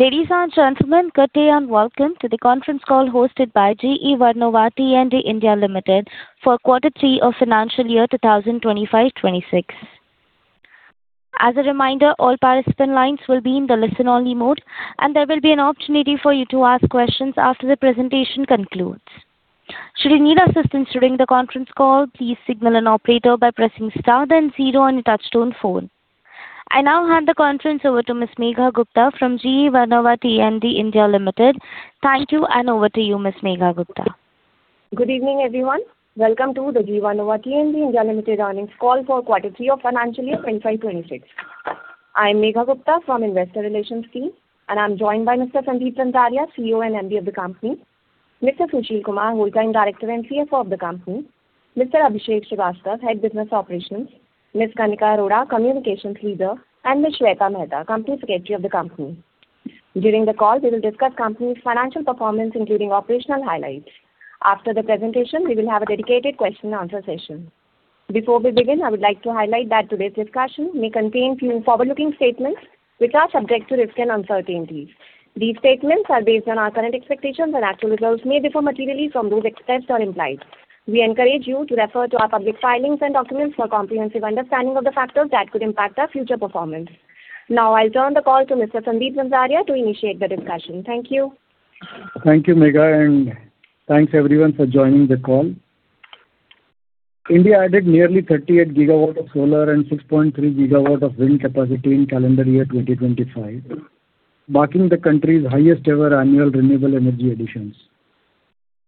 Ladies and gentlemen, good day and welcome to the conference call hosted by GE Vernova T&D India Limited for quarter three of financial year 2025-26. As a reminder, all participant lines will be in the listen-only mode, and there will be an opportunity for you to ask questions after the presentation concludes. Should you need assistance during the conference call, please signal an operator by pressing star then zero on your touchtone phone. I now hand the conference over to Ms. Megha Gupta from GE Vernova T&D India Limited. Thank you, and over to you, Ms. Megha Gupta. Good evening, everyone. Welcome to the GE Vernova T&D India Limited earnings call for quarter 3 of financial year 2025, 2026. I'm Megha Gupta from Investor Relations Team, and I'm joined by Mr. Sandeep Zanzaria, CEO and MD of the company; Mr. Sushil Kumar, Whole Time Director and CFO of the company; Mr. Abhishek Srivastava, Head, Business Operations; Ms. Kanika Arora, Communications Leader; and Ms. Shweta Mehta, Company Secretary of the company. During the call, we will discuss company's financial performance, including operational highlights. After the presentation, we will have a dedicated question and answer session. Before we begin, I would like to highlight that today's discussion may contain few forward-looking statements, which are subject to risks and uncertainties. These statements are based on our current expectations, and actual results may differ materially from those expressed or implied. We encourage you to refer to our public filings and documents for a comprehensive understanding of the factors that could impact our future performance. Now I'll turn the call to Mr. Sandeep Zanzaria to initiate the discussion. Thank you. Thank you, Megha, and thanks, everyone, for joining the call. India added nearly 38 GW of solar and 6.3 GW of wind capacity in calendar year 2025, marking the country's highest ever annual renewable energy additions.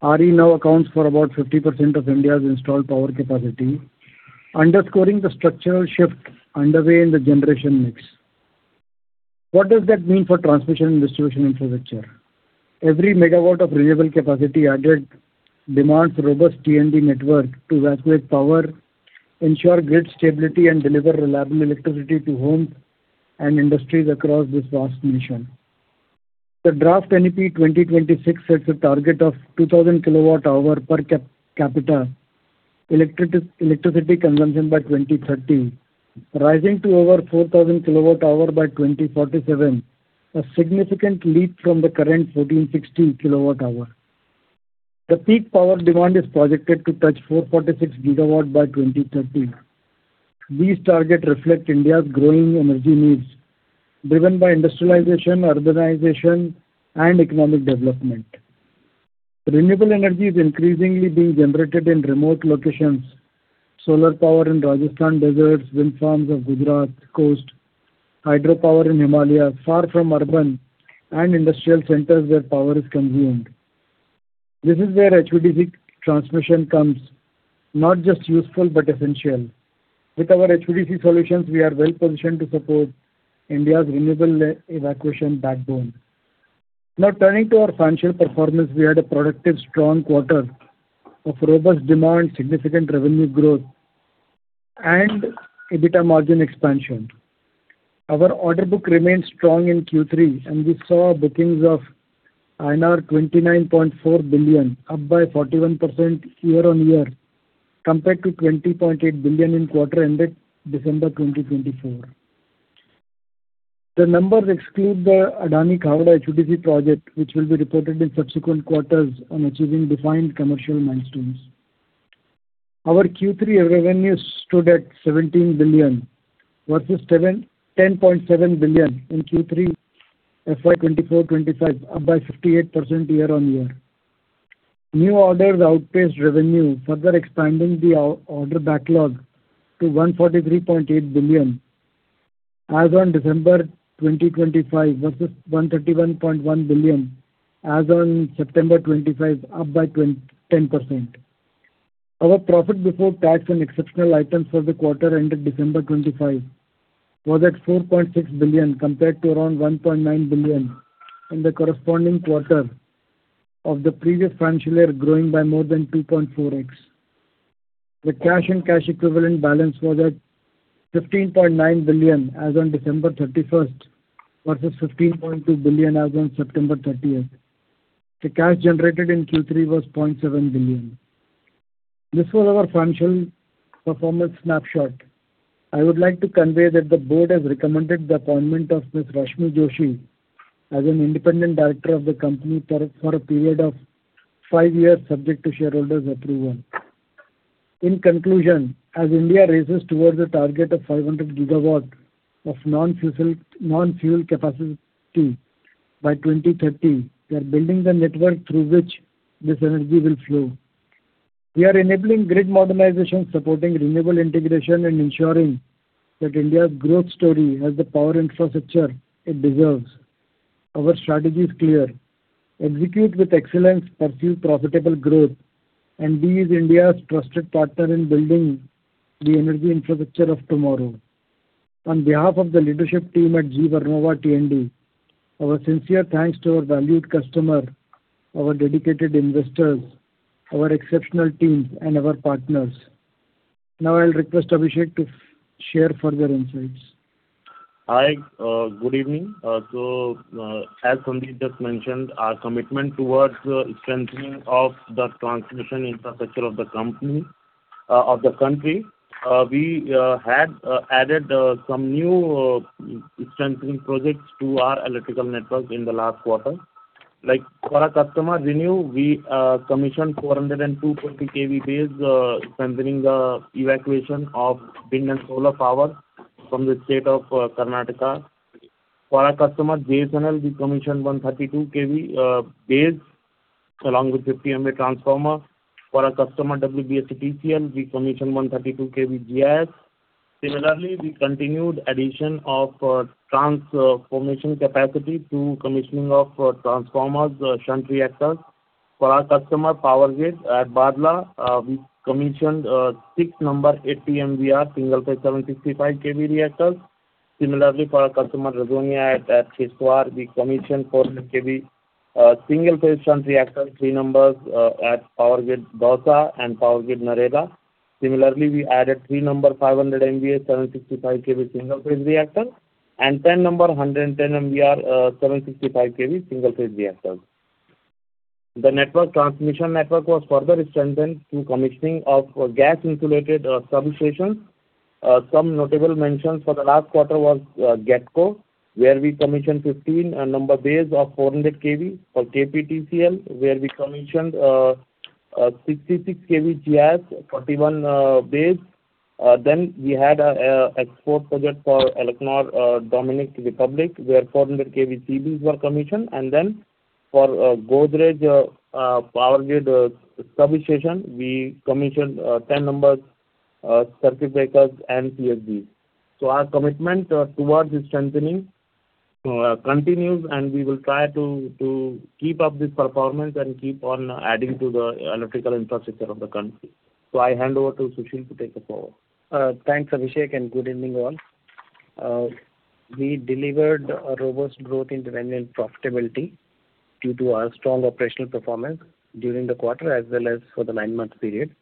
RE now accounts for about 50% of India's installed power capacity, underscoring the structural shift underway in the generation mix. What does that mean for transmission and distribution infrastructure? Every megawatt of renewable capacity added demands robust T&D network to evacuate power, ensure grid stability, and deliver reliable electricity to homes and industries across this vast nation. The Draft NEP 2026 sets a target of 2,000 kWh per capita electricity consumption by 2030, rising to over 4,000 kWh by 2047, a significant leap from the current 1,460 kWh. The peak power demand is projected to touch 446 GW by 2030. These targets reflect India's growing energy needs, driven by industrialization, urbanization, and economic development. Renewable energy is increasingly being generated in remote locations: solar power in Rajasthan deserts, wind farms off Gujarat coast, hydropower in Himalaya, far from urban and industrial centers where power is consumed. This is where HVDC transmission comes not just useful, but essential. With our HVDC solutions, we are well positioned to support India's renewable energy evacuation backbone. Now, turning to our financial performance. We had a productive, strong quarter of robust demand, significant revenue growth, and EBITDA margin expansion. Our order book remains strong in Q3, and we saw bookings of INR 29.4 billion, up by 41% year-on-year, compared to 20.8 billion in quarter ended December 2024. The numbers exclude the Adani Khavda HVDC project, which will be reported in subsequent quarters on achieving defined commercial milestones. Our Q3 revenue stood at 17 billion versus 10.7 billion in Q3 FY 2024, 2025, up by 58% year on year. New orders outpaced revenue, further expanding the order backlog to 143.8 billion as of December 2025, versus 131.1 billion as of September 2025, up by 10%. Our profit before tax and exceptional items for the quarter ended December 2025 was at 4.6 billion, compared to around 1.9 billion in the corresponding quarter of the previous financial year, growing by more than 2.4x. The cash and cash equivalent balance was at 15.9 billion as of December 31, versus 15.2 billion as of September 30. The cash generated in Q3 was 0.7 billion. This was our financial performance snapshot. I would like to convey that the board has recommended the appointment of Ms. Rashmi Joshi as an independent director of the company for a period of five years, subject to shareholders' approval. In conclusion, as India races towards a target of 500 GW of non-fossil, non-fuel capacity by 2030, we are building the network through which this energy will flow. We are enabling grid modernization, supporting renewable integration, and ensuring that India's growth story has the power infrastructure it deserves. Our strategy is clear: execute with excellence, pursue profitable growth, and be India's trusted partner in building the energy infrastructure of tomorrow. On behalf of the leadership team at GE Vernova T&D, our sincere thanks to our valued customer, our dedicated investors, our exceptional teams, and our partners. Now I'll request Abhishek to share further insights. Hi, good evening. So, as Sandeep just mentioned, our commitment towards strengthening of the transmission infrastructure of the company. of the country. We had added some new strengthening projects to our electrical network in the last quarter. Like, for our customer, ReNew, we commissioned 400 and 220 kV bays, strengthening the evacuation of wind and solar power from the state of Karnataka. For our customer, BSPTCL, we commissioned 132 kV bays, along with 50 MVA transformer. For our customer, WBSETCL, we commissioned 132 kV GIS. Similarly, we continued addition of transformation capacity through commissioning of transformers, shunt reactors. For our customer, Power Grid at Bhadla, we commissioned 6 80 MVAR, single phase 765 kV reactors. Similarly, for our customer ReNew at Hisar, we commissioned 400 kV single phase shunt reactors, 3, at Power Grid Buxar and Power Grid Narela. Similarly, we added 3 number 500 MVA, 765 kV single phase reactor, and 10 number 110 MVAR, 765 kV single phase reactors. The network, transmission network was further strengthened through commissioning of gas-insulated substation. Some notable mentions for the last quarter were GETCO, where we commissioned 15 number bays of 400 kV. For KPTCL, where we commissioned 66 kV GIS, 41 bays. Then we had an export project for Elecnor, Dominican Republic, where 400 kV CBs were commissioned. And then for Godrej, Power Grid substation, we commissioned 10 numbers of circuit breakers and CSDs. So, our commitment towards strengthening continues, and we will try to keep up this performance and keep on adding to the electrical infrastructure of the country. I hand over to Sushil to take the floor. Thanks, Abhishek, and good evening, all. We delivered a robust growth in revenue and profitability due to our strong operational performance during the quarter, as well as for the nine-month period.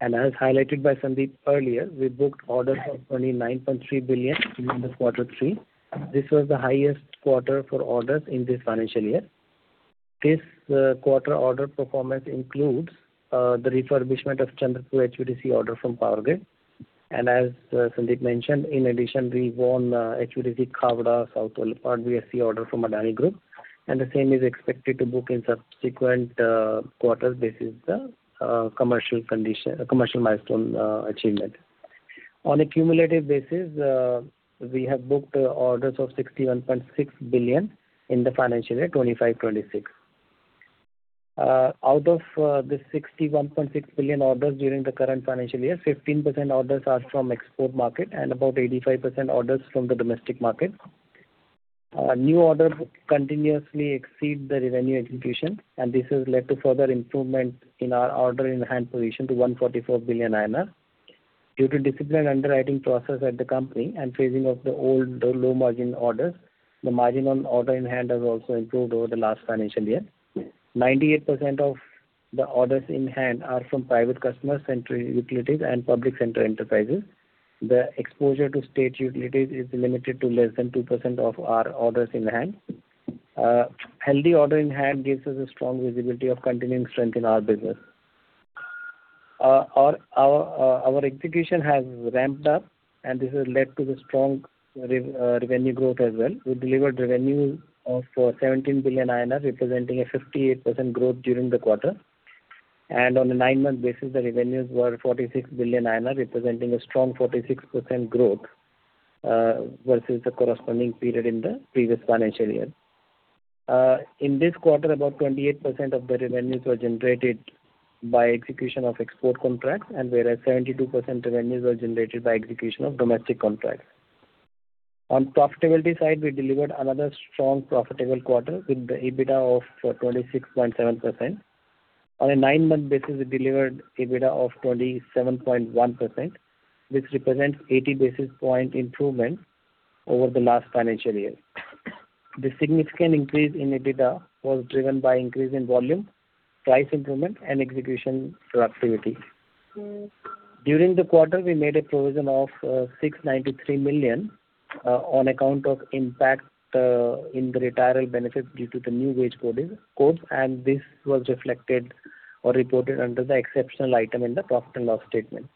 As highlighted by Sandeep earlier, we booked orders of 29.3 billion in quarter three. This was the highest quarter for orders in this financial year. This quarter order performance includes the refurbishment of Chandrapur HVDC order from Power Grid. As Sandeep mentioned, in addition, we won HVDC Khavda-South Olpad VSC order from Adani Group, and the same is expected to book in subsequent quarters. This is the commercial condition, commercial milestone achievement. On a cumulative basis, we have booked orders of 61.6 billion in the financial year 2025-26. Out of the 61.6 billion orders during the current financial year, 15% orders are from export market and about 85% orders from the domestic market. Our new orders continuously exceed the revenue execution, and this has led to further improvement in our order in hand position to 144 billion INR. Due to disciplined underwriting process at the company and phasing of the old, low-margin orders, the margin on order in hand has also improved over the last financial year. 98% of the orders in hand are from private customers, central utilities, and public sector enterprises. The exposure to state utilities is limited to less than 2% of our orders in hand. Healthy order in hand gives us a strong visibility of continuing strength in our business. Our execution has ramped up, and this has led to the strong revenue growth as well. We delivered revenue of 17 billion INR, representing a 58% growth during the quarter. On a nine-month basis, the revenues were INR 46 billion, representing a strong 46% growth versus the corresponding period in the previous financial year. In this quarter, about 28% of the revenues were generated by execution of export contracts, and whereas 72% revenues were generated by execution of domestic contracts. On profitability side, we delivered another strong profitable quarter with the EBITDA of 26.7%. On a nine-month basis, we delivered EBITDA of 27.1%. This represents 80 basis point improvement over the last financial year. The significant increase in EBITDA was driven by increase in volume, price improvement, and execution productivity. During the quarter, we made a provision of 693 million on account of impact in the retirement benefits due to the new wage coding, codes, and this was reflected or reported under the exceptional item in the profit and loss statement.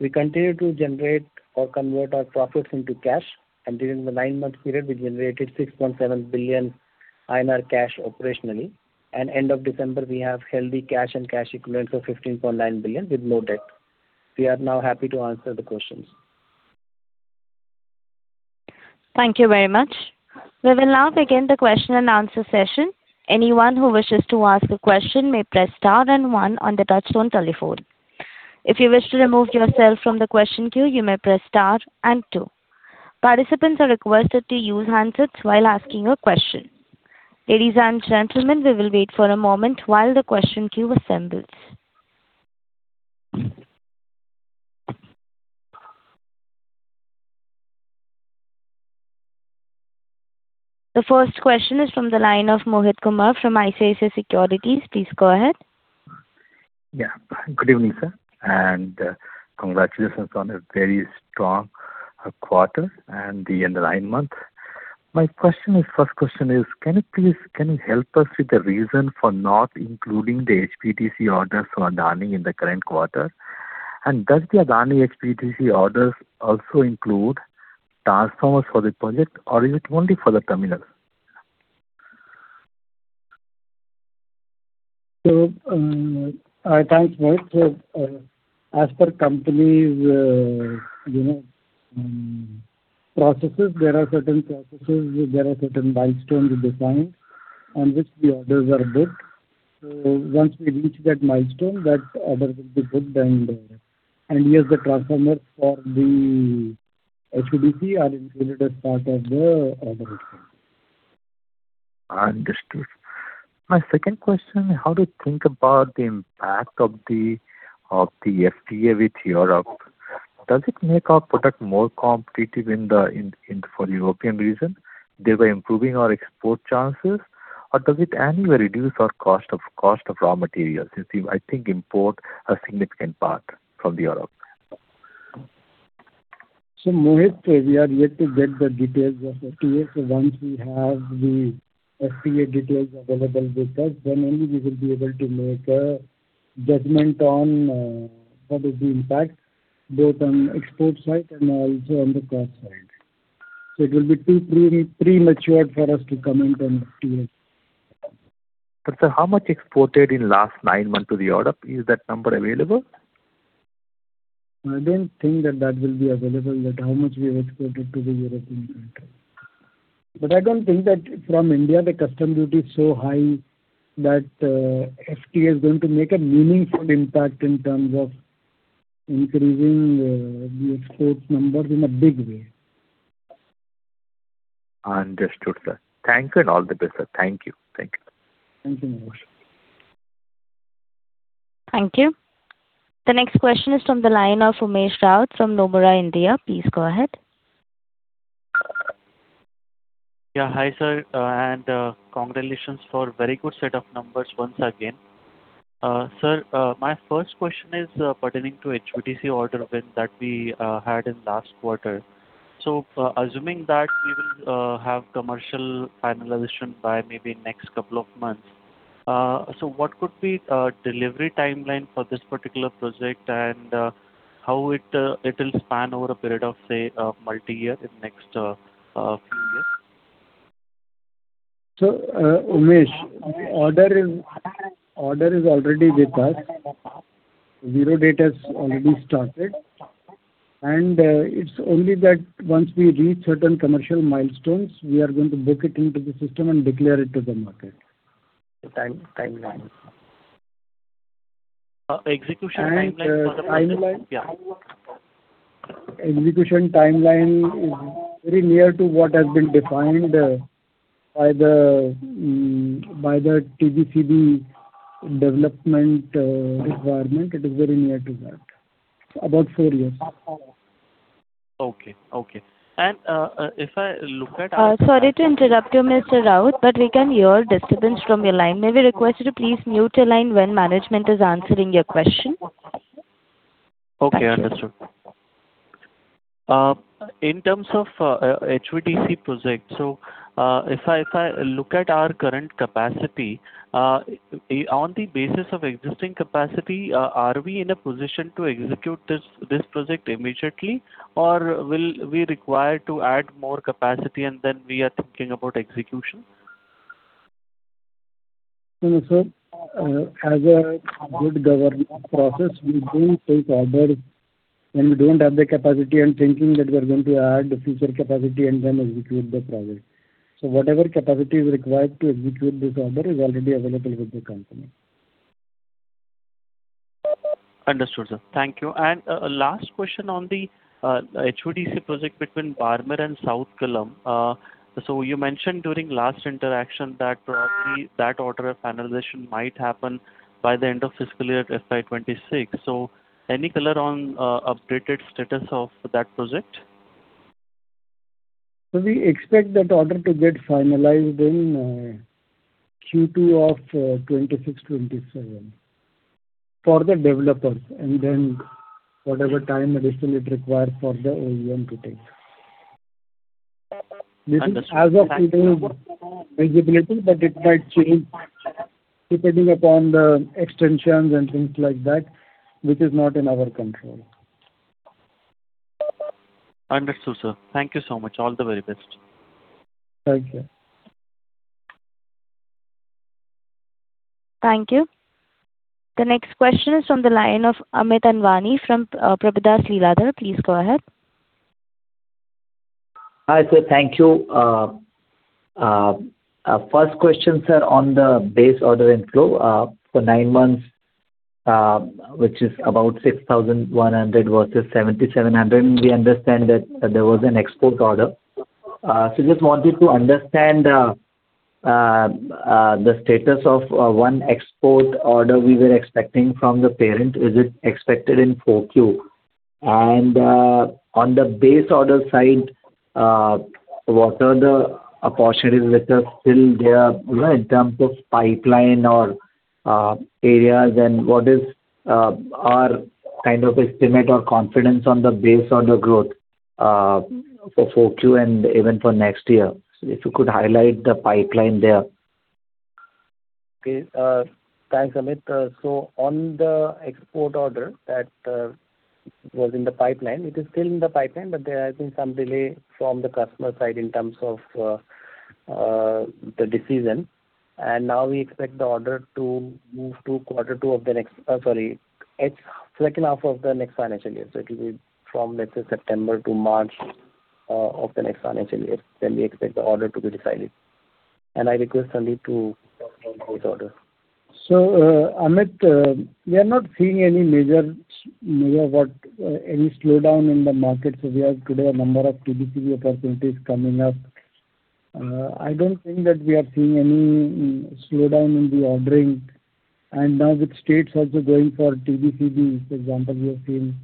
We continue to generate or convert our profits into cash, and during the nine-month period, we generated 6.7 billion INR cash operationally. And end of December, we have healthy cash and cash equivalents of 15.9 billion, with no debt. We are now happy to answer the questions. Thank you very much. We will now begin the question-and-answer session. Anyone who wishes to ask a question may press * and 1 on the touchtone telephone. If you wish to remove yourself from the question queue, you may press * and 2. Participants are requested to use handsets while asking a question. Ladies and gentlemen, we will wait for a moment while the question queue assembles. The first question is from the line of Mohit Kumar from ICICI Securities. Please go ahead. Yeah. Good evening, sir, and congratulations on a very strong quarter and the end of nine months. My question is, first question is, can you please help us with the reason for not including the HVDC orders from Adani in the current quarter? And does the Adani HVDC orders also include transformers for the project, or is it only for the terminal? I think, Mohit, so, as per company's, you know, processes, there are certain processes, there are certain milestones defined on which the orders are booked. So, once we reach that milestone, that order will be booked, and yes, the transformers for the HVDC are included as part of the order. Understood. My second question, how do you think about the impact of the FTA with Europe? Does it make our product more competitive in the European region, thereby improving our export chances? Or does it anywhere reduce our cost of raw materials? Since we, I think, import a significant part from Europe. So, Mohit, we are yet to get the details of FTA. So, once we have the FTA details available with us, then only we will be able to make a judgment on, what is the impact, both on export side and also on the cost side. So, it will be too premature for us to comment on FTA. Sir, how much exported in last 9 months to the Europe? Is that number available? I don't think that that will be available, that how much we have exported to the European country. But I don't think that from India, the customs duty is so high that FTA is going to make a meaningful impact in terms of increasing the export numbers in a big way. Understood, sir. Thank you, and all the best, sir. Thank you. Thank you. Thank you, Mohit. Thank you. The next question is from the line of Umesh Raut from Nomura India. Please go ahead. Yeah, hi, sir, and congratulations for very good set of numbers once again. Sir, my first question is pertaining to HVDC order win that we had in last quarter. So, assuming that we will have commercial finalization by maybe next couple of months, so what could be delivery timeline for this particular project? And how it will span over a period of, say, multi-year in next few years? Umesh, order is already with us. Zero date has already started. It's only that once we reach certain commercial milestones, we are going to book it into the system and declare it to the market. Time, timeline. Execution timeline- And, timeline- Yeah. Execution timeline is very near to what has been defined by the TBCB development environment. It is very near to that, about four years. Okay. Okay. And, if I look at, Sorry to interrupt you, Mr. Raut, but we can hear disturbance from your line. May we request you to please mute your line when management is answering your question? Okay, understood. In terms of the HVDC project, if I look at our current capacity, on the basis of existing capacity, are we in a position to execute this project immediately? Or will we require to add more capacity, and then we are thinking about execution? No, sir, as a good governance process, we don't take order when we don't have the capacity and thinking that we're going to add the future capacity and then execute the project. So whatever capacity is required to execute this order is already available with the company. Understood, sir. Thank you. And last question on the HVDC project between Barmer and Kurnool. So, you mentioned during last interaction that probably that order finalization might happen by the end of fiscal year FY 2026. So, any color on updated status of that project? So, we expect that order to get finalized in Q2 of 2026-2027 for the developers, and then whatever time additional it requires for the OEM to take. Understood. This is as of today visibility, but it might change depending upon the extensions and things like that, which is not in our control. Understood, sir. Thank you so much. All the very best. Thank you. Thank you. The next question is from the line of Amit Anwani from Prabhudas Lilladher. Please go ahead. Hi, sir. Thank you. First question, sir, on the base order inflow for nine months, which is about 6,100 versus 7,700, we understand that there was an export order. So, just wanted to understand the status of one export order we were expecting from the parent. Is it expected in 4Q? And on the base order side, what are the opportunities that are still there in terms of pipeline or... areas and what is, our kind of estimate or confidence based on the growth, for 4Q and even for next year? So, if you could highlight the pipeline there. Okay, thanks, Amit. So, on the export order that was in the pipeline, it is still in the pipeline, but there has been some delay from the customer side in terms of the decision. And now we expect the order to move to quarter two of the next... Sorry, it's second half of the next financial year. So, it will be from, let's say, September to March of the next financial year, then we expect the order to be decided. And I request Sandeep to talk on this order. Amit, we are not seeing any major slowdown in the market. We have today a number of TBCB opportunities coming up. I don't think that we are seeing any slowdown in the ordering, and now with states also going for TBCB, for example, we have seen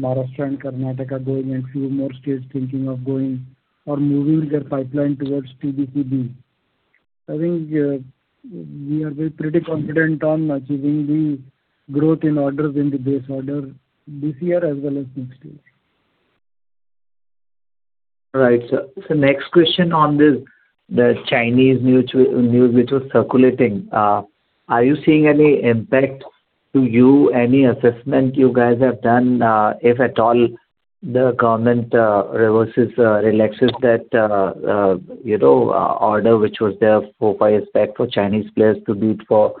Maharashtra and Karnataka going, and a few more states thinking of going or moving their pipeline towards TBCB. I think, we are very pretty confident on achieving the growth in orders in the base order this year as well as next year. Right. So next question on this, the Chinese news which was circulating. Are you seeing any impact to you, any assessment you guys have done, if at all the government reverses, relaxes that, you know, order which was there for Chinese players to bid for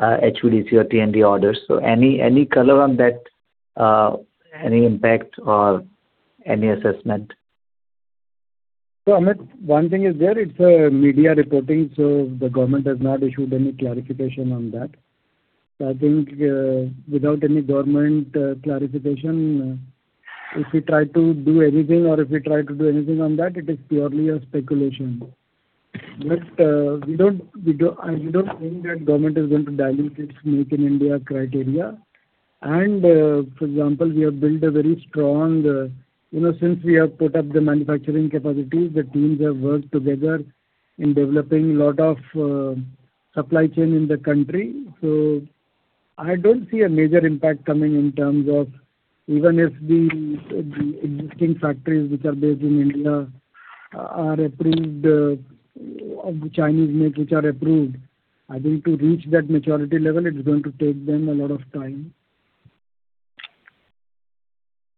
HVDC, or T&D orders? So, any color on that, any impact or any assessment? So, Amit, one thing is there, it's a media reporting, so the government has not issued any clarification on that. So, I think, without any government clarification, if we try to do anything or if we try to do anything on that, it is purely a speculation. But we don't, we don't, we don't think that government is going to dilute its Make in India criteria. And, for example, we have built a very strong. You know, since we have put up the manufacturing capacity, the teams have worked together in developing a lot of supply chain in the country. So I don't see a major impact coming in terms of even if the existing factories which are based in India are approved, of the Chinese make, which are approved, I think to reach that maturity level, it's going to take them a lot of time.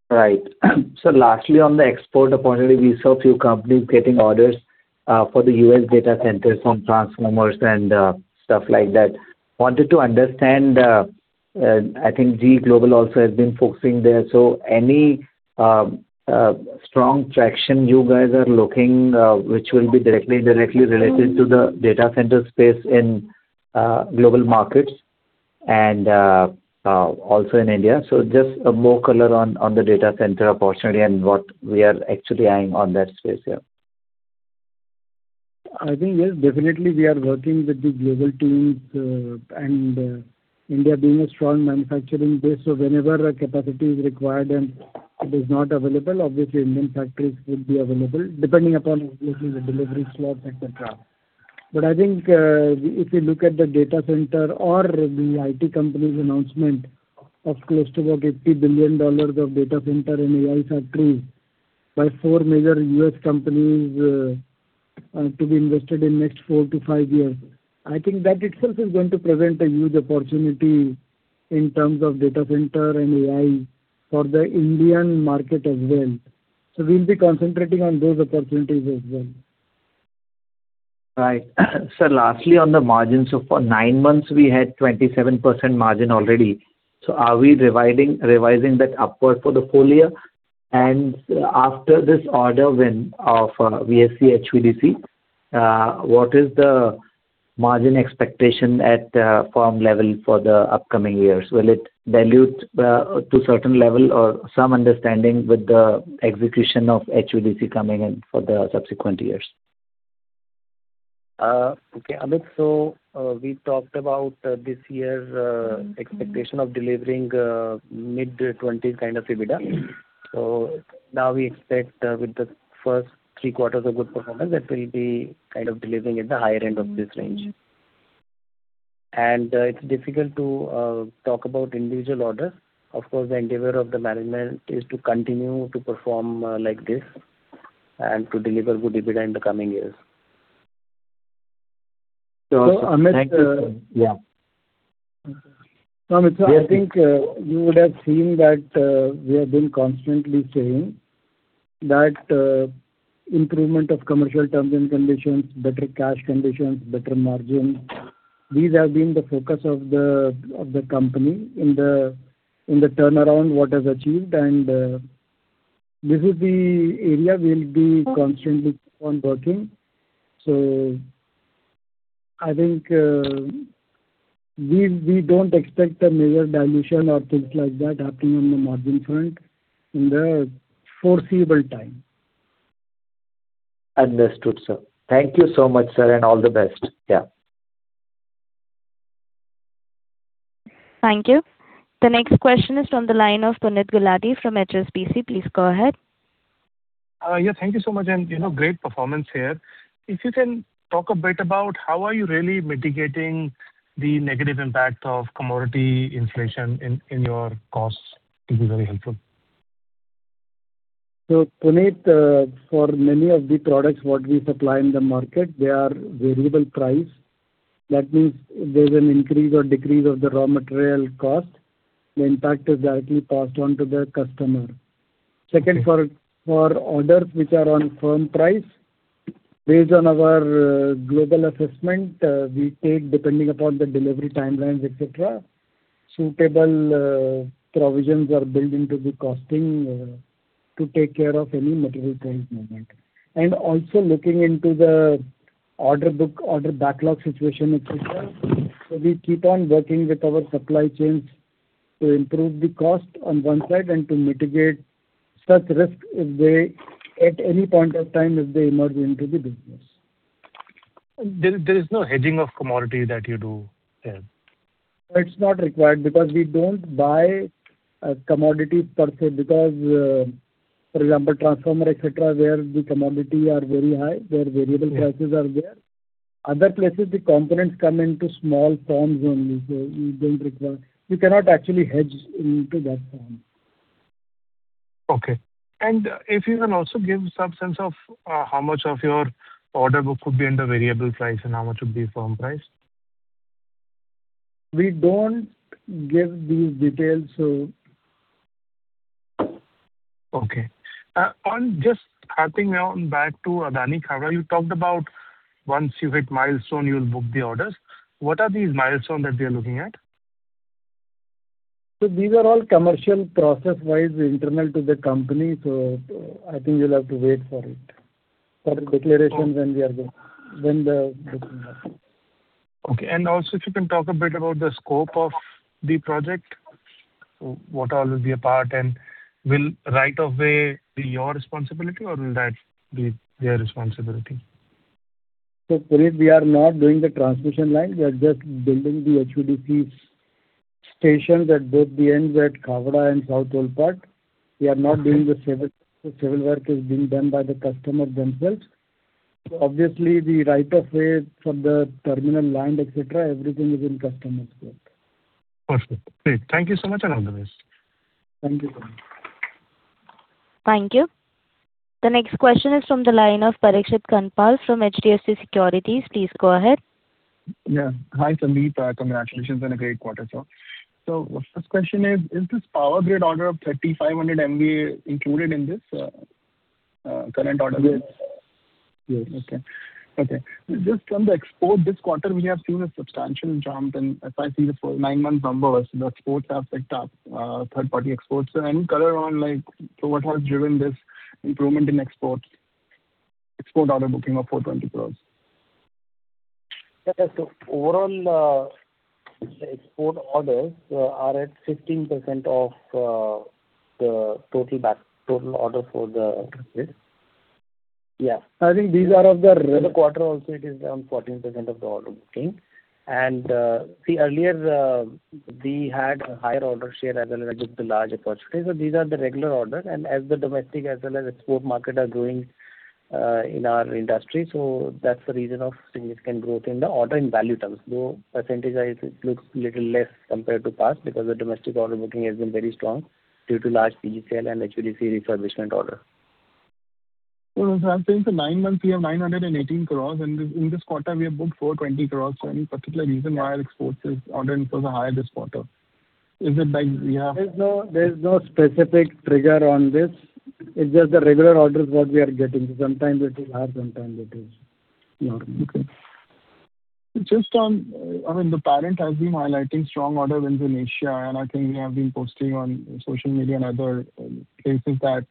Right. So lastly, on the export opportunity, we saw a few companies getting orders for the U.S. data centers on transformers and stuff like that. Wanted to understand, I think GE Global also has been focusing there. So any strong traction you guys are looking, which will be directly, directly related to the data center space in global markets and also in India? So just more color on, on the data center opportunity and what we are actually eyeing on that space here. I think, yes, definitely we are working with the global teams, and, India being a strong manufacturing base, so whenever a capacity is required and it is not available, obviously Indian factories will be available, depending upon obviously the delivery slots, et cetera. But I think, if you look at the data center or the IT company's announcement of close to about $80 billion of data center and AI factory by 4 major US companies, to be invested in next 4-5 years, I think that itself is going to present a huge opportunity in terms of data center and AI for the Indian market as well. So we'll be concentrating on those opportunities as well. Right. So lastly, on the margins, so for nine months, we had 27% margin already. So are we revising, revising that upward for the full year? And after this order win of VSC HVDC, what is the margin expectation at firm level for the upcoming years? Will it dilute to certain level or some understanding with the execution of HVDC coming in for the subsequent years? Okay, Amit. So, we talked about this year's expectation of delivering mid-20s kind of EBITDA. So now we expect, with the first three quarters of good performance, that we'll be kind of delivering at the higher end of this range. And it's difficult to talk about individual orders. Of course, the endeavor of the management is to continue to perform like this and to deliver good EBITDA in the coming years. So, Amit, Thank you. Yeah. Amit, I think you would have seen that we have been constantly saying that improvement of commercial terms and conditions, better cash conditions, better margins, these have been the focus of the company in the turnaround what has achieved, and this is the area we'll be constantly on working. So, I think we don't expect a major dilution or things like that happening on the margin front in the foreseeable time. Understood, sir. Thank you so much, sir, and all the best. Yeah. Thank you. The next question is on the line of Punit Gulati from HSBC. Please go ahead. Yeah, thank you so much, and, you know, great performance here. If you can talk a bit about, how are you really mitigating the negative impact of commodity inflation in, in your costs, it'll be very helpful. So, Punit, for many of the products what we supply in the market, they are variable price. That means if there's an increase or decrease of the raw material cost, the impact is directly passed on to the customer. Second, for orders which are on firm price, based on our global assessment, we take depending upon the delivery timelines, et cetera, suitable provisions are built into the costing to take care of any material price movement. And also looking into the order book, order backlog situation, et cetera. So, we keep on working with our supply chains to improve the cost on one side, and to mitigate such risk if they, at any point of time, if they emerge into the business. There is no hedging of commodity that you do there. It's not required because we don't buy a commodity per se because, for example, transformer, et cetera, where the commodity is very high, where variable- Yeah prices are there. Other places, the components come into small forms only, so we don't require... We cannot actually hedge into that form. Okay. And if you can also give some sense of, how much of your order book could be under variable price and how much would be firm price? We don't give these details, so. Okay. On just harping on back to Adani Khavda, you talked about once you hit milestone, you'll book the orders. What are these milestone that we are looking at? So, these are all commercial process-wise, internal to the company, so, I think you'll have to wait for it, for the declaration when we are—when the booking is. Okay. Also, if you can talk a bit about the scope of the project, what all will be a part, and will right of way be your responsibility, or will that be their responsibility? So, Puneet, we are not doing the transmission line. We are just building the HVDC stations at both the ends, at Khavda and South Olpad. We are not doing the civil... The civil work is being done by the customer themselves. So obviously, the right of way from the terminal land, et cetera, everything is in customer's court. Perfect. Great. Thank you so much, and all the best. Thank you. Thank you. The next question is from the line of Parikshit Kandpal from HDFC Securities. Please go ahead. Yeah. Hi, Sandeep. Congratulations on a great quarter, sir. So, first question is, is this Power Grid order of 3,500 MVA included in this current order? Yes. Yes. Okay. Okay. Just on the exports this quarter, we have seen a substantial jump, and as I see the 4, 9-month numbers, the exports have picked up, third party exports. So any color on, like, so what has driven this improvement in exports, export order booking of 420 crore? Yeah, so overall, the export orders are at 15% of the total order for the grid. Yeah. I think these are of the- Another quarter also, it is around 14% of the order booking. And see, earlier, we had a higher order share as well as with the large opportunities. So these are the regular order, and as the domestic as well as export market are growing, in our industry, so that's the reason of significant growth in the order in value terms, though percentage-wise, it looks little less compared to past, because the domestic order booking has been very strong due to large PGCIL and HVDC refurbishment order. So, as I'm saying, so nine months, we have 918 crores, and in this quarter, we have booked 420 crores. So, any particular reason why exports are, order imports are high this quarter? Is it like we have- There's no specific trigger on this. It's just the regular orders what we are getting. Sometimes it is high, sometimes it is normal. Okay. Just on, I mean, the parent has been highlighting strong orders in Asia, and I think we have been posting on social media and other places that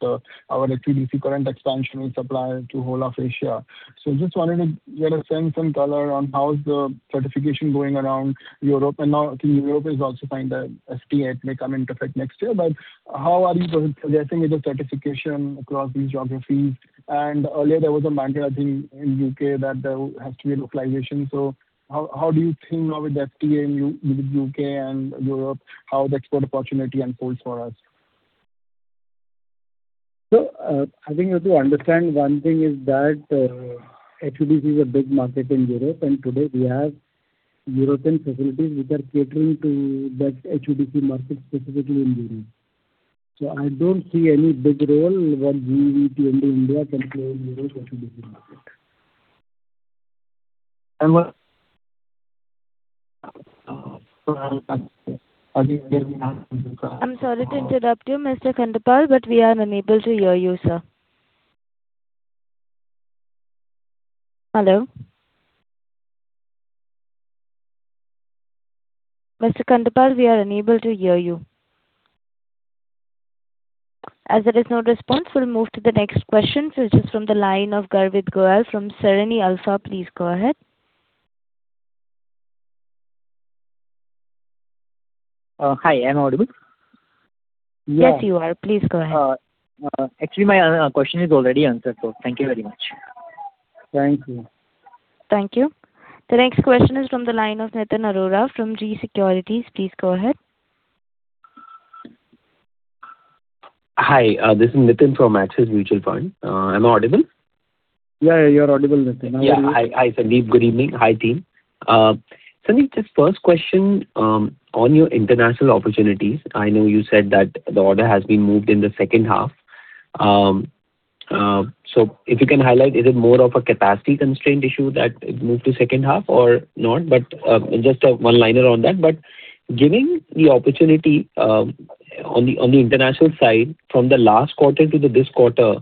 our HVDC current expansion will supply to whole of Asia. So just wanted to get a sense and color on how the certification is going around Europe. And now, I think Europe is also saying that FTA may come into effect next year. But how are you progressing with the certification across these geographies? And earlier, there was a mandate, I think, in U.K., that there has to be a localization. So how do you think now with FTA in U.K. and Europe, how the export opportunity unfolds for us? So, I think you have to understand one thing is that HVDC is a big market in Europe, and today we have European facilities which are catering to that HVDC market, specifically in Europe. So, I don't see any big role what we, as India, can play in Europe HVDC market. And, I'm sorry to interrupt you, Mr. Kandpal, but we are unable to hear you, sir. Hello? Mr. Kandpal, we are unable to hear you. As there is no response, we'll move to the next question, which is from the line of Garvit Goyal from Serene Alpha. Please go ahead. Hi, am I audible? Yes, you are. Please go ahead. Actually, my question is already answered, so thank you very much. Thank you. Thank you. The next question is from the line of Nitin Arora from Axis Mutual Fund. Please go ahead. Hi, this is Nitin from Axis Mutual Fund. Am I audible? Yeah, yeah, you're audible, Nitin. Yeah. Hi, hi, Sandeep. Good evening. Hi, team. Sandeep, just first question, on your international opportunities. I know you said that the order has been moved in the second half. So, if you can highlight, is it more of a capacity constraint issue that it moved to second half or not? But just a one-liner on that. But giving the opportunity, on the, on the international side from the last quarter to this quarter,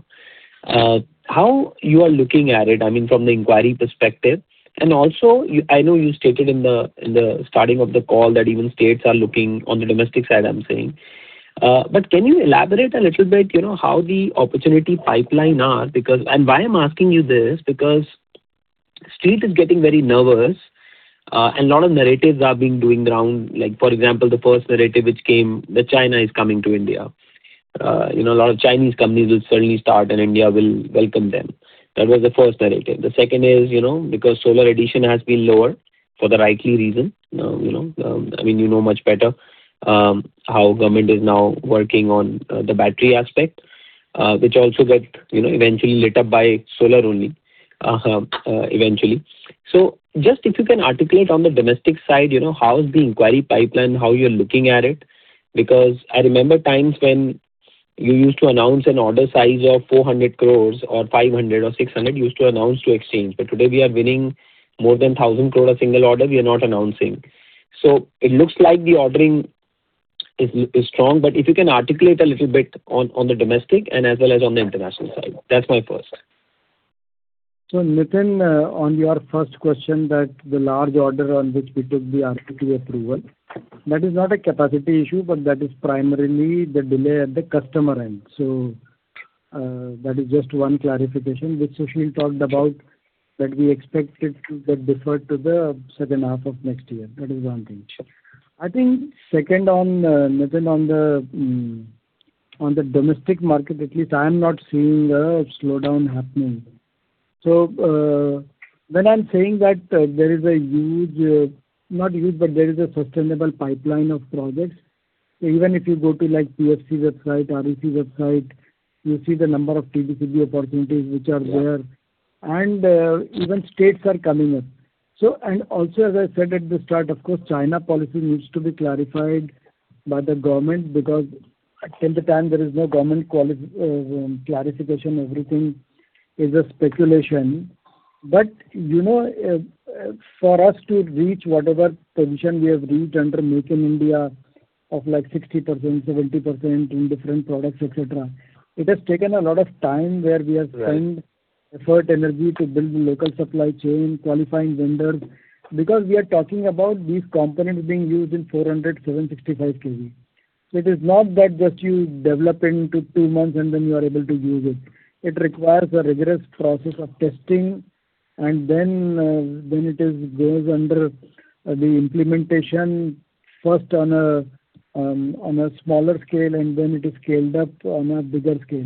how you are looking at it, I mean, from the inquiry perspective, and also, I know you stated in the, in the starting of the call that even states are looking on the domestic side, I'm saying. But can you elaborate a little bit, you know, how the opportunity pipeline is? Because... Why I'm asking you this, because street is getting very nervous, and a lot of narratives are being doing round. Like, for example, the first narrative which came, that China is coming to India. You know, a lot of Chinese companies will suddenly start, and India will welcome them. That was the first narrative. The second is, you know, because solar addition has been lower for the rightly reason, you know, I mean, you know much better, how government is now working on the battery aspect, which also get, you know, eventually lit up by solar only, eventually. So, just if you can articulate on the domestic side, you know, how is the inquiry pipeline, how you're looking at it? Because I remember times when you used to announce an order size of 400 crore or 500 or 600, you used to announce to exchange, but today we are winning more than 1,000 crore a single order, we are not announcing. So it looks like the ordering is strong, but if you can articulate a little bit on, on the domestic and as well as on the international side. That's my first. So, Nitin, on your first question, that the large order on which we took the RTP approval, that is not a capacity issue, but that is primarily the delay at the customer end. So, that is just one clarification, which Sushil talked about, that we expected to get deferred to the second half of next year. That is one thing. I think second on, Nitin, on the domestic market, at least I'm not seeing a slowdown happening. So, when I'm saying that, there is a huge, not huge, but there is a sustainable pipeline of projects. So even if you go to, like, PFC website, REC website, you see the number of TBCB opportunities which are there, and even states are coming up. So, and also, as I said at the start, of course, China policy needs to be clarified by the government, because at any time, there is no government clarification, everything is a speculation. But, you know, for us to reach whatever position we have reached under Make in India of, like, 60%, 70% in different products, et cetera, it has taken a lot of time where we have spent- Right. - effort, energy to build the local supply chain, qualifying vendors. Because we are talking about these components being used in 400, 765 KV. So it is not that just you develop in 2 months and then you are able to use it. It requires a rigorous process of testing, and then, when it goes under the implementation, first on a smaller scale, and then it is scaled up on a bigger scale.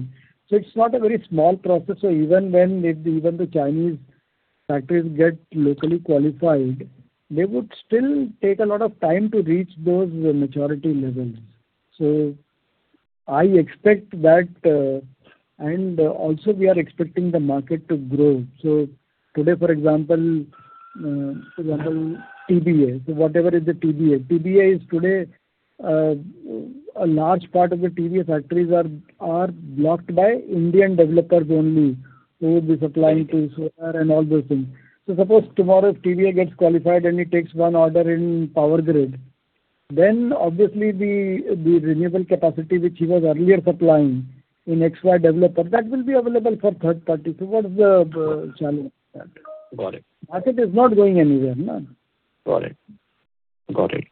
So it's not a very small process. So even when the Chinese factories get locally qualified, they would still take a lot of time to reach those maturity levels. So I expect that. And also we are expecting the market to grow. So today, for example, TBEA. So whatever is the TBEA. TBEA is today a large part of the TBEA factories are blocked by Indian developers only, who will be supplying to solar and all those things. So, suppose tomorrow, if TBEA gets qualified and it takes one order in Power Grid, then obviously the renewable capacity which he was earlier supplying in XY developer, that will be available for third party. So, what's the challenge with that? Got it. Market is not going anywhere, no? Got it. Got it.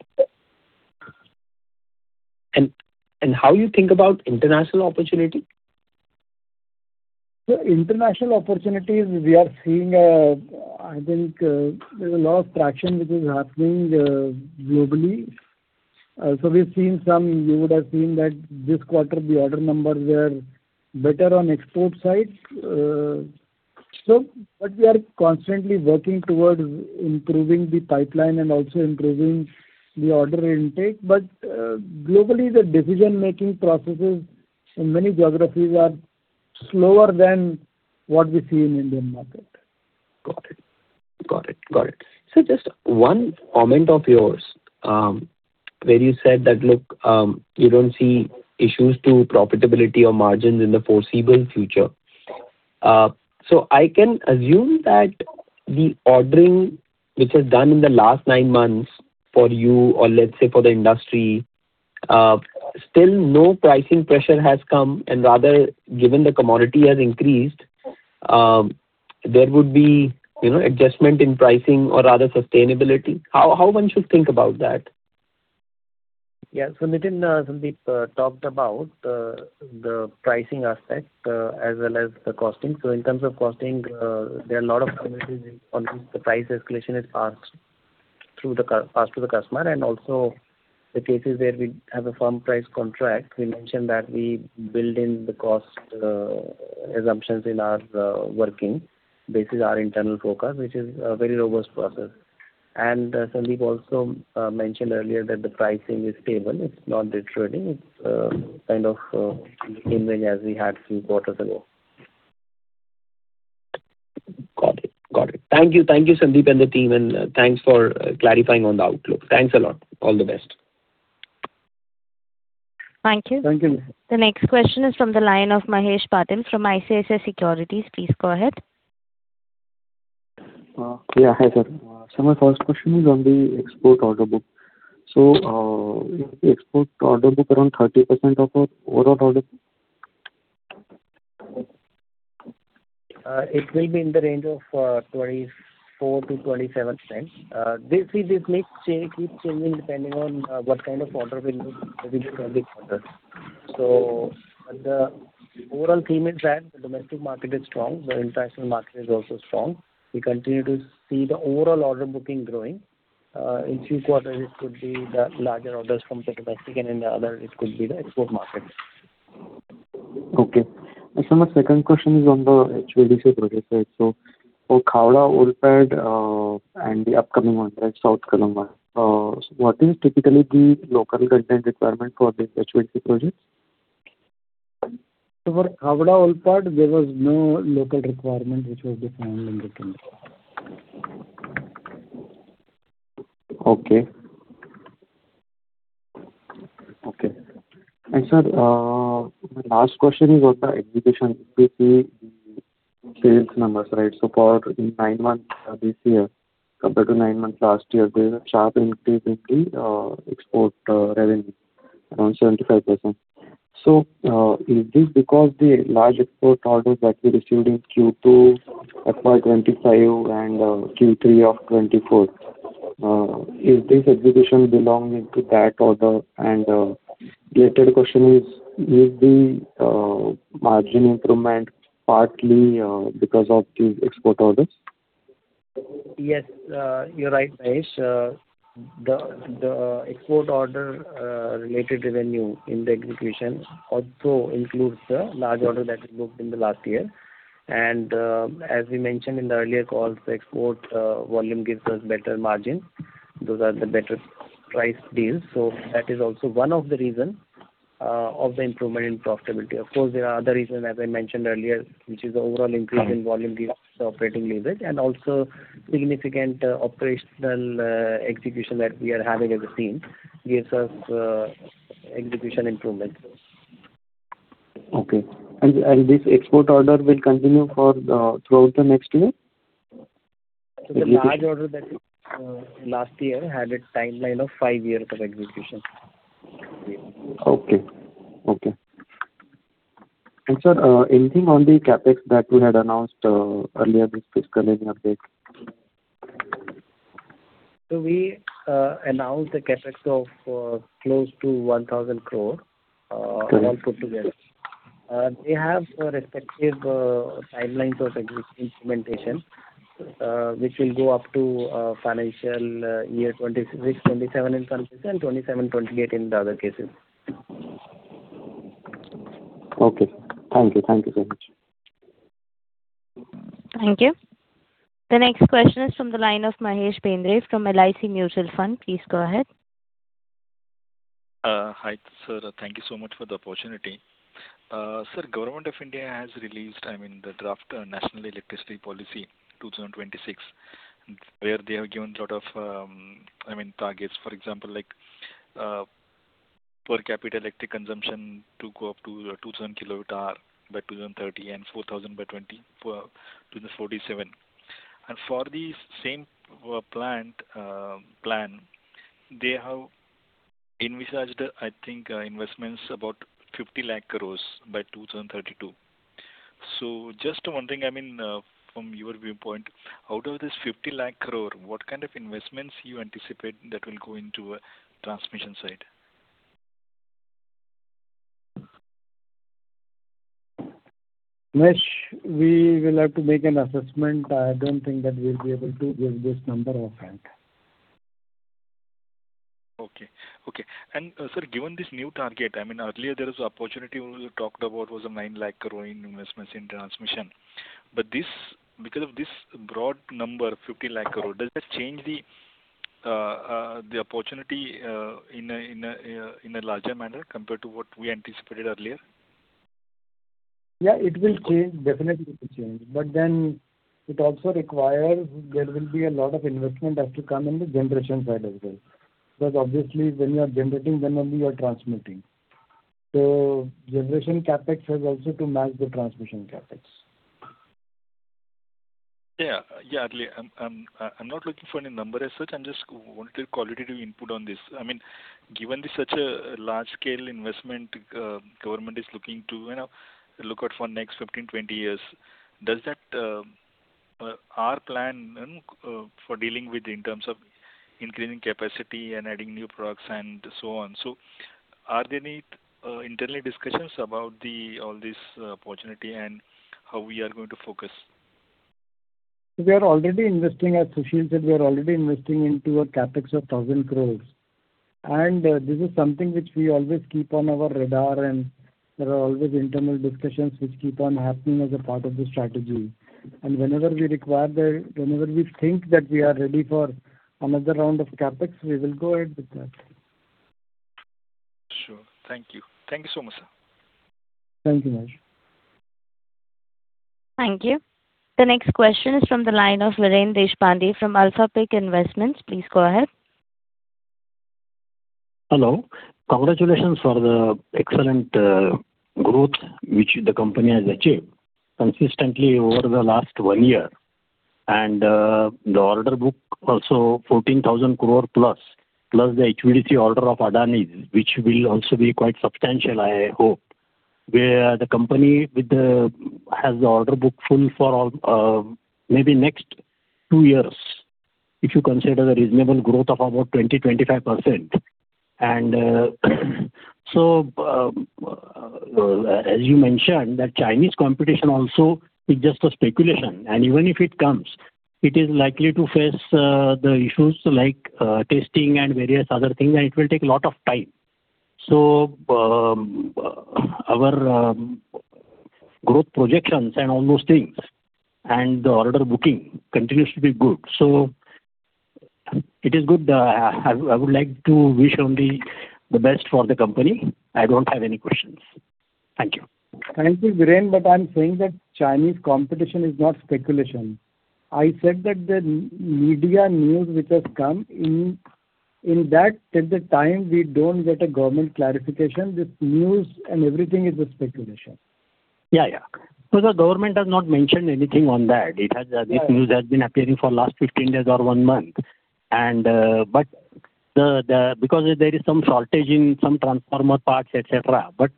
And how you think about international opportunity? So, international opportunities, we are seeing, I think, there's a lot of traction which is happening globally. So, we've seen some—you would have seen that this quarter, the order numbers were better on export side, so. But we are constantly working towards improving the pipeline and also improving the order intake. But globally, the decision-making processes in many geographies are slower than what we see in Indian market. Got it. Got it, got it. So, just one comment of yours, where you said that, look, you don't see issues to profitability or margins in the foreseeable future. So, I can assume that the ordering which has done in the last nine months for you, or let's say for the industry, still no pricing pressure has come, and rather, given the commodity has increased, there would be, you know, adjustment in pricing or rather, sustainability. How, how one should think about that? Yeah. So, Nitin, Sandeep, talked about the pricing aspect, as well as the costing. So, in terms of costing, there are a lot of committees on which the price escalation is passed through to the customer. And also, the cases where we have a firm price contract, we mentioned that we build in the cost assumptions in our working. This is our internal focus, which is a very robust process. And Sandeep also mentioned earlier that the pricing is stable, it's not deteriorating. It's kind of similar as we had few quarters ago. Got it. Got it. Thank you, thank you, Sandeep and the team, and, thanks for clarifying on the outlook. Thanks a lot. All the best. Thank you. Thank you. The next question is from the line of Mahesh Padin, from ICICI Securities. Please go ahead. Yeah. Hi, sir. So, my first question is on the export order book. So, is the export order book around 30% of our overall order? It will be in the range of 24%-27%. This is it may change, keep changing depending on what kind of order we will run this quarter. So, but, the overall theme is that the domestic market is strong, the international market is also strong. We continue to see the overall order booking growing. In few quarters, it could be the larger orders from the domestic, and in the other, it could be the export markets. Okay. My second question is on the HVDC project side. For Khavda-Olpad and the upcoming one at South Colombo, what is typically the local content requirement for these HVDC projects? For Khavda-Olpad, there was no local requirement which was defined in the tender. Okay. Okay. And, sir, my last question is on the execution PC sales numbers, right? So, for nine months this year, compared to nine months last year, there is a sharp increase in the export revenue, around 75%. So, is this because the large export orders that we received in Q2, FY 2025 and Q3 of 2024, is this execution belonging to that order? And, related question is, is the margin improvement partly because of these export orders? Yes, you're right, Mahesh. The export order related revenue in the execution also includes the large order that is booked in the last year. And, as we mentioned in the earlier calls, the export volume gives us better margin. Those are the better priced deals. So, that is also one of the reasons of the improvement in profitability. Of course, there are other reasons, as I mentioned earlier, which is the overall increase in volume gives us the operating leverage, and also significant operational execution that we are having as a team, gives us execution improvement. Okay. And this export order will continue for throughout the next year? The large order that is, last year, had a timeline of 5 years of execution. Okay. Okay. And, sir, anything on the CapEx that we had announced, earlier this fiscal year update? We announced a CapEx of close to 1,000 crore all put together. Okay. They have a respective timeline for execution implementation, which will go up to financial year 2026, 2027 in some cases, and 2027, 2028 in the other cases. Okay. Thank you. Thank you very much. Thank you. The next question is from the line of Mahesh Bendre from LIC Mutual Fund. Please go ahead. Hi, sir. Thank you so much for the opportunity. Sir, Government of India has released, I mean, the draft National Electricity Policy, 2026, where they have given a lot of, I mean, targets. For example, like, per capita electricity consumption to go up to 2,000 kWh by 2030, and 4,000 kWh by 2047. And for the same, plan, they have envisaged, I think, investments about 5,000,000 crore by 2032. So just wondering, I mean, from your viewpoint, out of this 5,000,000 crore, what kind of investments you anticipate that will go into transmission side? Mahesh, we will have to make an assessment. I don't think that we'll be able to give this number upfront. Okay. Okay. And, sir, given this new target, I mean, earlier there was opportunity you talked about was 900,000 crore in investments in transmission. But this, because of this broad number, 5,000,000 crore, does that change the opportunity in a larger manner compared to what we anticipated earlier? Yeah, it will change. Definitely it will change. But then it also requires. There will be a lot of investment has to come in the generation side as well. Because obviously, when you are generating, then only you are transmitting. So, generation CapEx has also to match the transmission CapEx. Yeah. Yeah, earlier, I'm, I'm, I'm not looking for any number as such. I'm just wanted a qualitative input on this. I mean, given this such a large-scale investment, government is looking to, you know, look out for next 15, 20 years. Does that our plan for dealing with in terms of increasing capacity and adding new products and so on? So, are there any internal discussions about all this opportunity and how we are going to focus? We are already investing, as Sushil said, we are already investing into a CapEx of 1,000 crore. And this is something which we always keep on our radar, and there are always internal discussions which keep on happening as a part of the strategy. And whenever we think that we are ready for another round of CapEx, we will go ahead with that. Sure. Thank you. Thank you so much, sir. Thank you, Mahesh. Thank you. The next question is from the line of Viren Deshpande from Alphapeak Investments. Please go ahead. Hello. Congratulations for the excellent growth which the company has achieved consistently over the last one year. The order book also 14,000 crore plus, plus the HVDC order of Adani, which will also be quite substantial, I hope, where the company with the has the order book full for maybe next two years, if you consider the reasonable growth of about 20-25%. So as you mentioned, that Chinese competition also is just a speculation, and even if it comes, it is likely to face the issues like testing and various other things, and it will take a lot of time. So, our growth projections and all those things, and the order booking continues to be good. So, it is good. I, I would like to wish only the best for the company. I don't have any questions. Thank you. Thank you, Viren, but I'm saying that Chinese competition is not speculation. I said that the media news which has come in, in that, at the time, we don't get a government clarification, this news and everything is a speculation. Yeah, yeah. So the government has not mentioned anything on that. It has. Yes. This news has been appearing for last 15 days or 1 month. But because there is some shortage in some transformer parts, et cetera. But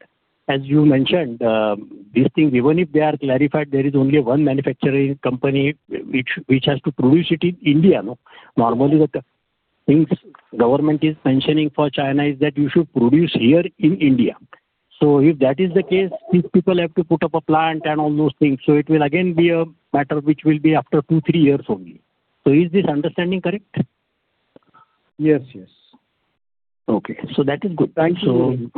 as you mentioned, these things, even if they are clarified, there is only one manufacturing company which has to produce it in India, no? Normally, the things government is mentioning for China is that you should produce here in India. So if that is the case, these people have to put up a plant and all those things, so it will again be a matter which will be after 2, 3 years only. So is this understanding correct? Yes. Yes. Okay, so that is good. Thank you.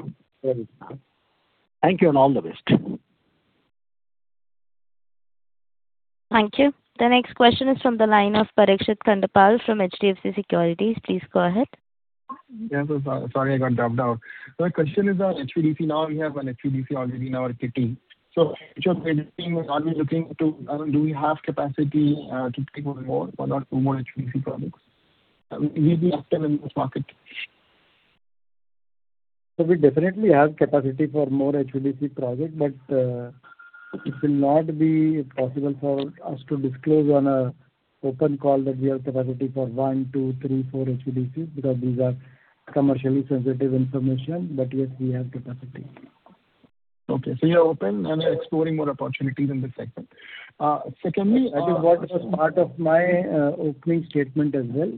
Thank you, and all the best. Thank you. The next question is from the line of Parikshit Kandpal from HDFC Securities. Please go ahead. Yeah, so sorry, I got dropped out. My question is on HVDC. Now, we have an HVDC already in our kitty. So are we looking to... do we have capacity to take on more or not more HVDC products? We'll be active in this market. We definitely have capacity for more HVDC project, but, it will not be possible for us to disclose on an open call that we have capacity for 1, 2, 3, 4 HVDC, because these are commercially sensitive information. But yes, we have capacity. Okay, so you are open and exploring more opportunities in this sector. Secondly, That was part of my opening statement as well,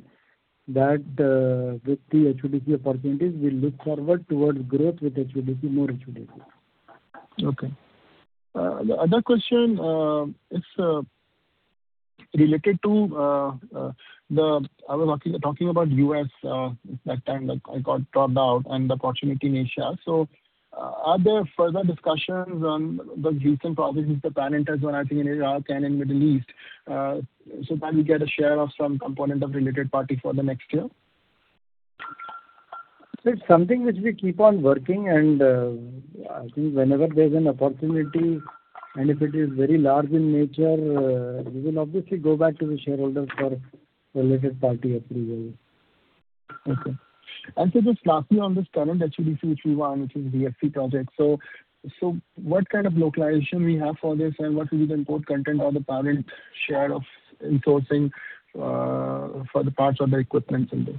that with the HVDC opportunities, we look forward towards growth with HVDC, more HVDC. Okay. The other question is related to I was talking about U.S. that time that I got dropped out and the opportunity in Asia. So, are there further discussions on the recent projects with the parent as well, I think, in Iraq and in the Middle East? So can we get a share of some component of related party for the next year? It's something which we keep on working, and, I think whenever there's an opportunity and if it is very large in nature, we will obviously go back to the shareholders for related party approval. Okay. And so just lastly, on this current HVDC, which we won, which is DFC project. So, what kind of localization we have for this? And what will be the import content or the parent share of outsourcing for the parts or the equipments in this?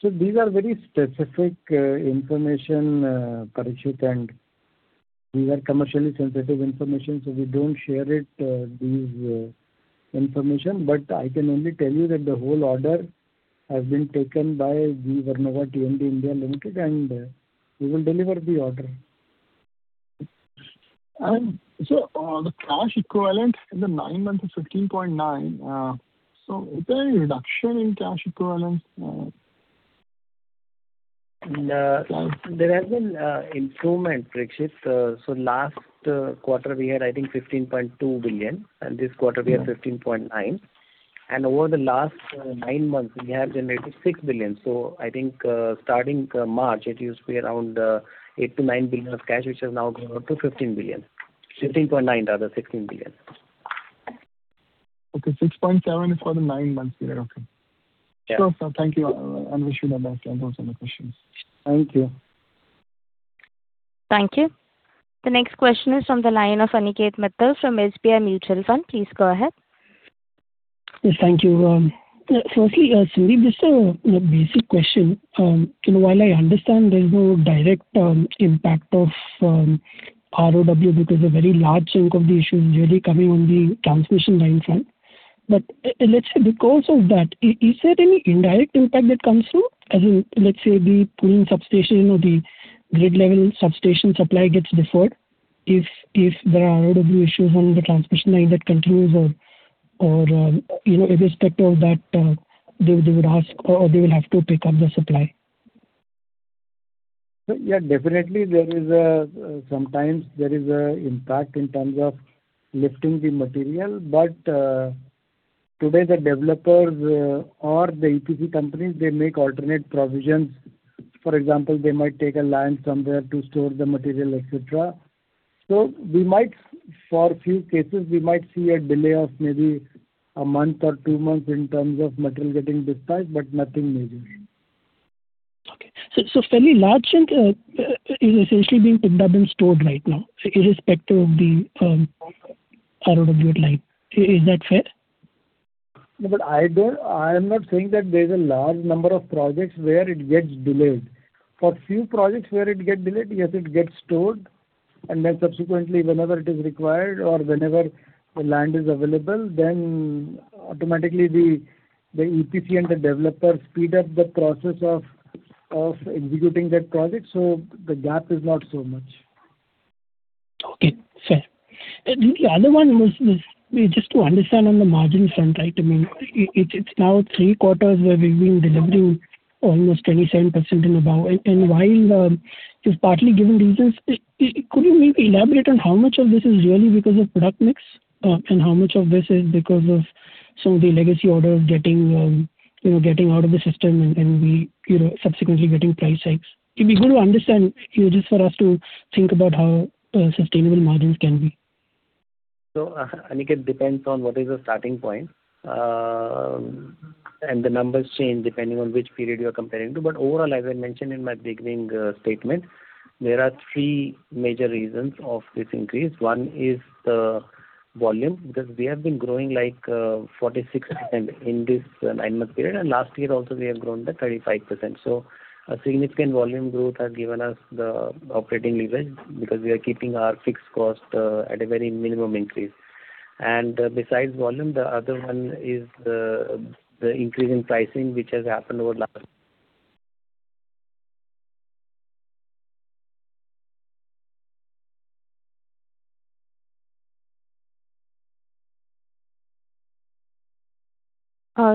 So these are very specific information, Parikshit, and these are commercially sensitive information, so we don't share it, these information. But I can only tell you that the whole order has been taken by GE Vernova T&D India Limited, and we will deliver the order. So, the cash equivalent in the nine months is 15.9. So is there a reduction in cash equivalent? There has been improvement, Parikshit. So last quarter, we had, I think, 15.2 billion, and this quarter we have 15.9 billion. And over the last nine months, we have generated 6 billion. So I think, starting March, it used to be around 8-9 billion of cash, which has now gone up to 15 billion. 15.9 billion, rather 16 billion. Okay, 6.7 is for the nine-month period. Okay. Yeah. Sure, sir. Thank you. I wish you the best, and those are the questions. Thank you. Thank you. The next question is from the line of Aniket Mittal from SBI Mutual Fund. Please go ahead. Yes, thank you. Firstly, Sundeep, this is a basic question. While I understand there's no direct impact of ROW, because a very large chunk of the issue is really coming on the transmission line front. But let's say, because of that, is there any indirect impact that comes through? As in, let's say, the pooling substation or the grid level substation supply gets deferred, if there are ROW issues on the transmission line that continues or, you know, irrespective of that, they would ask or they will have to pick up the supply? So yeah, definitely there is a, sometimes there is an impact in terms of lifting the material, but, today the developers, or the EPC companies, they make alternate provisions. For example, they might take a land somewhere to store the material, et cetera. So we might, for a few cases, we might see a delay of maybe a month or two months in terms of material getting dispatched, but nothing major. Okay. So fairly large and is essentially being picked up and stored right now, irrespective of the order book like. Is that fair? No, but I don't, I am not saying that there's a large number of projects where it gets delayed. For few projects where it get delayed, yes, it gets stored, and then subsequently, whenever it is required or whenever the land is available, then automatically the EPC and the developer speed up the process of executing that project, so the gap is not so much. Okay, fair. And the other one was just to understand on the margin front, right? I mean, it's now three quarters where we've been delivering almost 27% and above. And while you've partly given reasons, could you maybe elaborate on how much of this is really because of product mix, and how much of this is because of some of the legacy orders getting, you know, getting out of the system and we, you know, subsequently getting price hikes? It'd be good to understand, you know, just for us to think about how sustainable margins can be. So, I think it depends on what is the starting point. The numbers change depending on which period you are comparing to. But overall, as I mentioned in my beginning statement, there are three major reasons of this increase. One is the volume, because we have been growing like, 46% in this nine-month period, and last year also we have grown by 35%. So a significant volume growth has given us the operating leverage because we are keeping our fixed cost at a very minimum increase. And besides volume, the other one is the, the increase in pricing, which has happened over the last-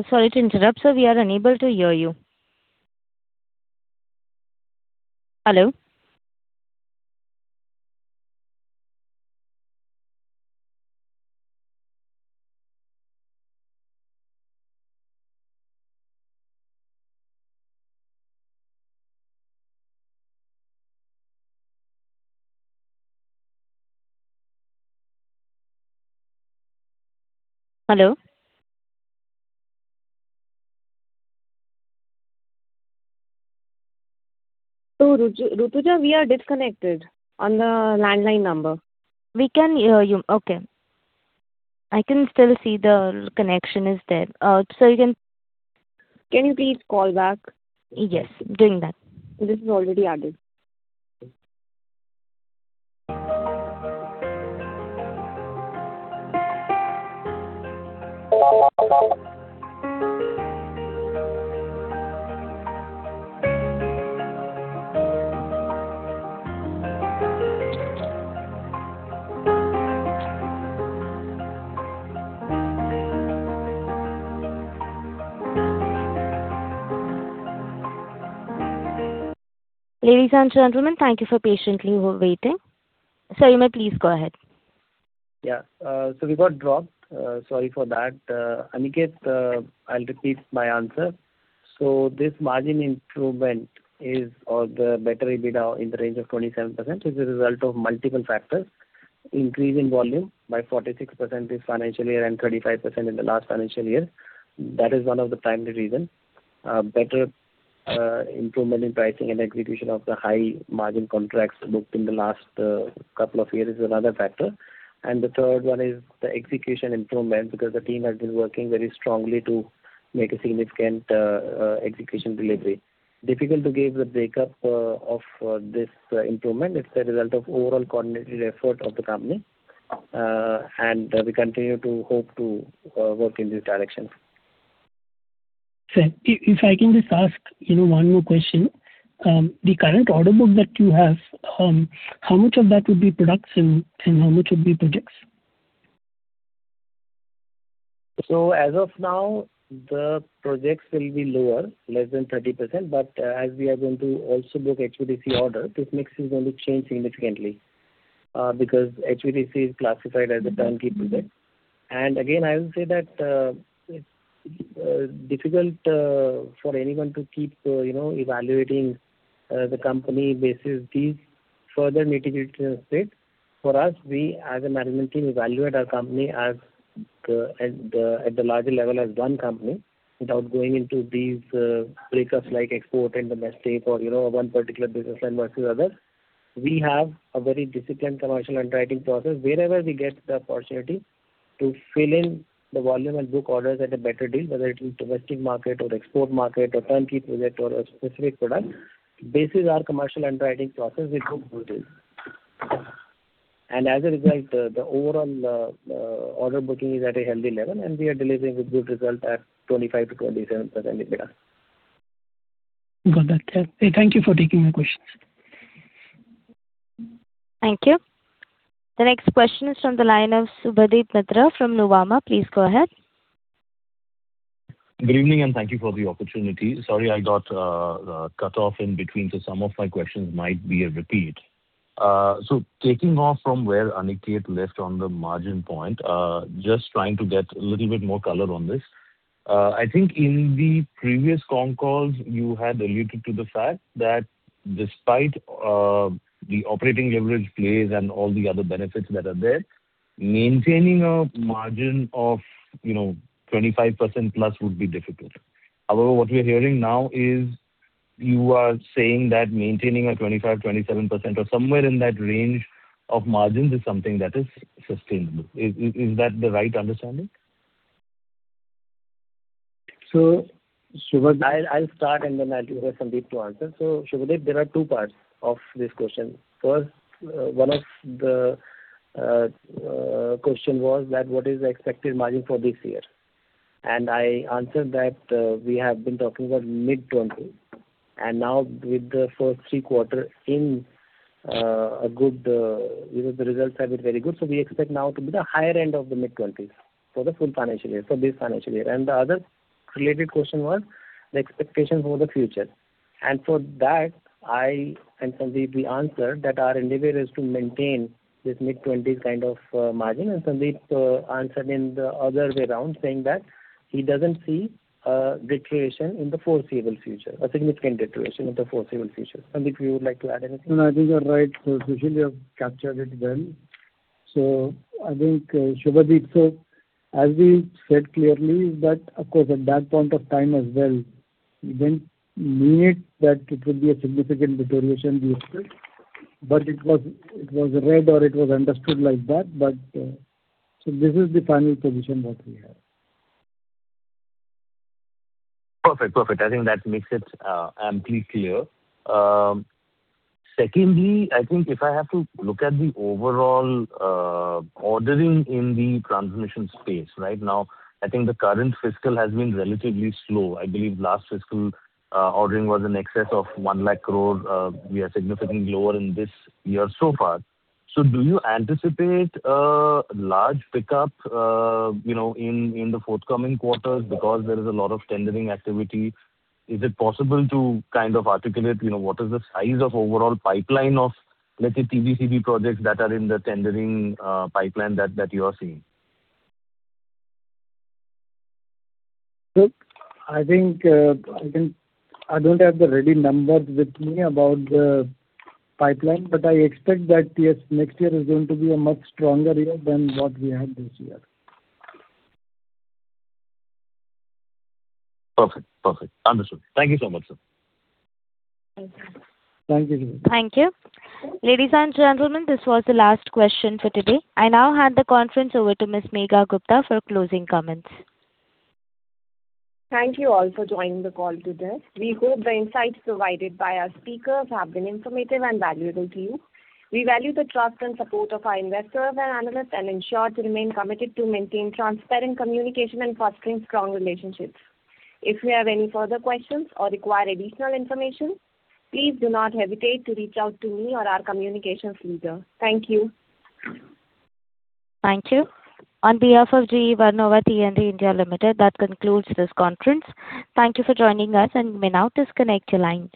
Sorry to interrupt, sir, we are unable to hear you. Hello? Hello. Rutu, Rutuja, we are disconnected on the landline number. We can hear you. Okay. I can still see the connection is there. So you can- Can you please call back? Yes, doing that. This is already added. Ladies and gentlemen, thank you for patiently waiting. Sir, you may please go ahead. Yeah, so we got dropped. Sorry for that. Aniket, I'll repeat my answer. So this margin improvement is, or the better EBITDA in the range of 27%, is a result of multiple factors. Increase in volume by 46% this financial year and 35% in the last financial year. That is one of the primary reason. Better improvement in pricing and execution of the high margin contracts booked in the last couple of years is another factor. And the third one is the execution improvement, because the team has been working very strongly to make a significant execution delivery. Difficult to give the breakup of this improvement. It's a result of overall coordinated effort of the company, and we continue to hope to work in this direction. If I can just ask, you know, one more question. The current order book that you have, how much of that would be products and how much would be projects? So as of now, the projects will be lower, less than 30%. But as we are going to also book HVDC order, this mix is going to change significantly, because HVDC is classified as a turnkey project. And again, I will say that it's difficult for anyone to keep you know evaluating the company basis these further nitty-gritty stats. For us, we as a management team, evaluate our company at the larger level, as one company, without going into these breakups like export and domestic or you know one particular business and versus other. We have a very disciplined commercial underwriting process. Wherever we get the opportunity to fill in the volume and book orders at a better deal, whether it is domestic market or export market or turnkey project or a specific product, this is our commercial underwriting process, we book good deals. And as a result, the overall order booking is at a healthy level, and we are delivering a good result at 25%-27% EBITDA. Got that. Yeah. Thank you for taking my questions. Thank you. The next question is from the line of Subhadip Mitra from Nuvama. Please go ahead. Good evening, and thank you for the opportunity. Sorry, I got cut off in between, so some of my questions might be a repeat. So taking off from where Aniket left on the margin point, just trying to get a little bit more color on this. I think in the previous con calls, you had alluded to the fact that despite the operating leverage plays and all the other benefits that are there, maintaining a margin of, you know, 25% plus would be difficult. However, what we are hearing now is, you are saying that maintaining a 25%-27% or somewhere in that range of margins is something that is sustainable. Is that the right understanding? So Subhadip, I'll start, and then I'll give it Sandeep to answer. So Subhadip, there are two parts of this question. First, one of the question was that what is the expected margin for this year? And I answered that, we have been talking about mid-20s. And now, with the first 3 quarter in, a good, you know, the results have been very good, so we expect now to be the higher end of the mid-20s for the full financial year, for this financial year. And the other related question was the expectations for the future. And for that, I and Sandeep, we answered that our endeavor is to maintain this mid-20s kind of margin. And Sandeep answered in the other way around, saying that he doesn't see a deterioration in the foreseeable future, a significant deterioration in the foreseeable future. Sandeep, you would like to add anything? No, I think you are right. So Sushil, you have captured it well. So I think, Subhadip, so as we said clearly, that of course, at that point of time as well, we didn't mean it, that it would be a significant deterioration we expect. But it was, it was read or it was understood like that, but, so this is the final position that we have. Perfect. Perfect. I think that makes it amply clear. Secondly, I think if I have to look at the overall ordering in the transmission space right now, I think the current fiscal has been relatively slow. I believe last fiscal ordering was in excess of 100,000 crore. We are significantly lower in this year so far. So do you anticipate a large pickup, you know, in the forthcoming quarters because there is a lot of tendering activity? Is it possible to kind of articulate, you know, what is the size of overall pipeline of, let's say, TBCB projects that are in the tendering pipeline that you are seeing? Look, I think, I think I don't have the ready numbers with me about the pipeline, but I expect that, yes, next year is going to be a much stronger year than what we had this year. Perfect. Perfect. Understood. Thank you so much, sir. Thank you. Thank you. Ladies and gentlemen, this was the last question for today. I now hand the conference over to Ms. Megha Gupta for closing comments. Thank you all for joining the call today. We hope the insights provided by our speakers have been informative and valuable to you. We value the trust and support of our investors and analysts, and ensure to remain committed to maintain transparent communication and fostering strong relationships. If you have any further questions or require additional information, please do not hesitate to reach out to me or our communications leader. Thank you. Thank you. On behalf of GE Vernova T&D India Limited, that concludes this conference. Thank you for joining us, and you may now disconnect your lines.